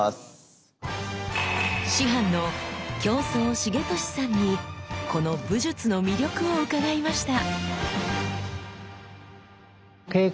師範の京増重利さんにこの武術の魅力を伺いました。